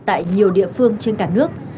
tại nhiều địa phương trên cả nước